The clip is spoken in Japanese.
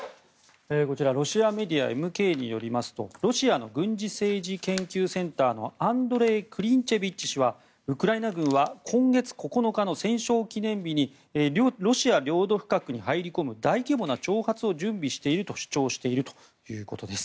こちら、ロシアメディアＭＫによりますとロシアの軍事政治研究センターのアンドレイ・クリンチェビッチ氏はウクライナ軍は今月９日の戦勝記念日にロシア領土深くに入り込む大規模な挑発を準備していると主張しているということです。